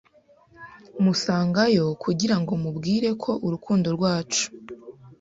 musangayo kugirango mubwire ko urukundo rwacu